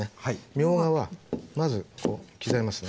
みょうがはまずこう刻みますね。